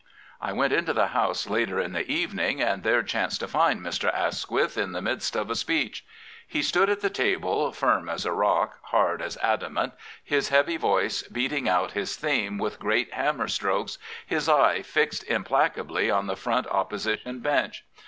I went into the House later in the evening, and there chanced to find Mr. Asquith in the midst of a speech. He stood at the table firm as a rock, hard as adamant, his heavy voice beating out his theme with great hammer strokes, his eye fixed implacably on the front Opposition bench.